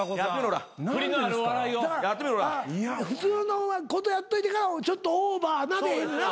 普通のことやっといてからちょっとオーバーでええねんな。